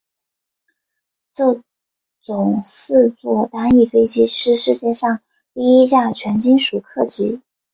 这种四座单翼飞机是世界上第一架全金属客机。